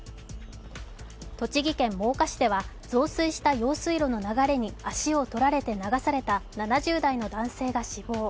栃木県真岡市では増水した用水路の流れに足を取られて流された７０代の男性が死亡。